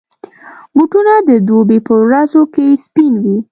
بوټونه د دوبي پر ورځو کې سپین وي.